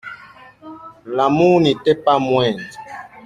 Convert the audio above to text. L'amour n'était pas moindre.